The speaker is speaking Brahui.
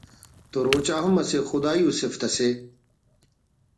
تو روچہ ہم اسہ خدائی ءُ سفت اسے